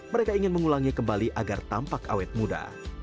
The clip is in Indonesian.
mereka ingin mengulangi kembali agar tampak awet muda